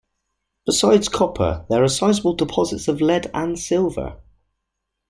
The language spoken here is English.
Besides copper, there are sizeable deposits of lead and silver.